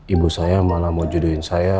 ibu saya malah mau jodohin saya